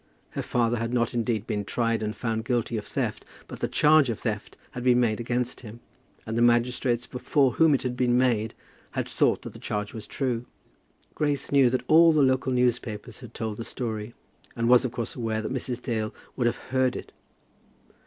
Her father had not indeed been tried and found guilty of theft, but the charge of theft had been made against him, and the magistrates before whom it had been made had thought that the charge was true. Grace knew that all the local newspapers had told the story, and was of course aware that Mrs. Dale would have heard it.